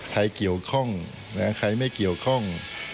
ใครเกี่ยวข้องใครไม่เกี่ยวข้อง